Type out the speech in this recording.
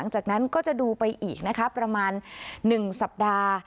จากนั้นก็จะดูไปอีกนะคะประมาณ๑สัปดาห์